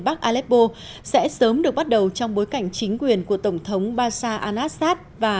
bắc aleppo sẽ sớm được bắt đầu trong bối cảnh chính quyền của tổng thống bashar al assad và